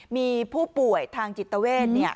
มีผู้ป่วยทางจิตเวท